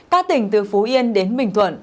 các tỉnh từ phú yên đến bình thuận